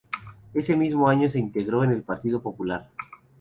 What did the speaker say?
Ese mismo año se integró en el Partido Popular.